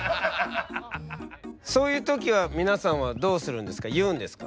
そういう時は皆さんはどうするんですか？